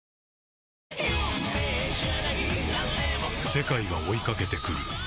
世界が追いかけてくる。